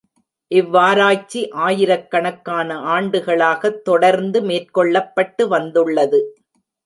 இவ்வாராய்ச்சி ஆயிரக் கணக்கான ஆண்டுகளாகத் தொடர்ந்து மேற்கொள்ளப் பட்டு வந்துள்ளது.